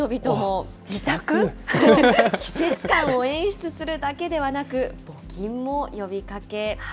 季節感を演出するだけではなく、募金も呼び掛け。